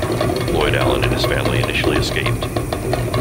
Floyd Allen and his family initially escaped.